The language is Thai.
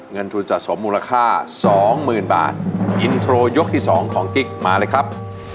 เงินทุนสะสมมูลค่า๒๐๐๐บาทอินโทรยกที่๒ของกิ๊กมาเลยครับ